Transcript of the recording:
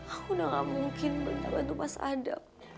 aku udah gak mungkin bantu mas adam